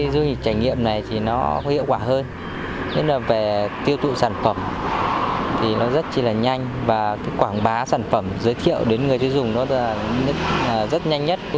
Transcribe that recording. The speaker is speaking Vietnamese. du lịch trải nghiệm này thì nó hiệu quả hơn nên là về tiêu thụ sản phẩm thì nó rất là nhanh và quảng bá sản phẩm giới thiệu đến người tiêu dùng nó rất nhanh nhất